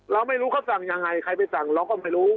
เราไม่รู้เขาสั่งยังไงใครไปสั่งเราก็ไม่รู้